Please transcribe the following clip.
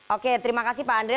oke terima kasih pak andre